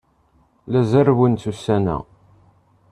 La zerrwent ussan-a.